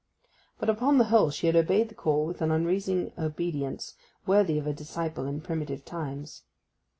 But, upon the whole, she had obeyed the call with an unreasoning obedience worthy of a disciple in primitive times.